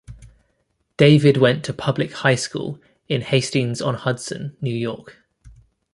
David went to public high school in Hastings-on-Hudson, New York.